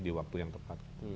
di waktu yang tepat